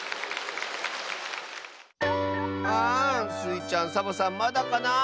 あスイちゃんサボさんまだかなあ。